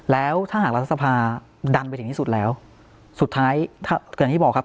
แล้วถ้าหากรัฐสภาดันไปถึงที่สุดแล้วสุดท้ายถ้าอย่างที่บอกครับ